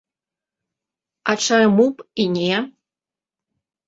А чаму б і не?